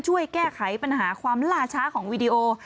ช่วยแก้ไขปัญหาความล่าช้าของวีดีโอ